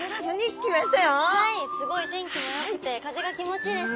すごい天気もよくて風が気持ちいいですね。